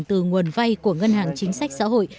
từ nguồn vay của ngân hàng chính sách xã hội